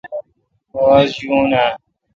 آواز یوین اؘ